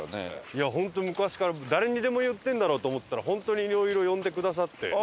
いや本当昔から誰にでも言ってるんだろうと思ってたら本当にいろいろ呼んでくださって。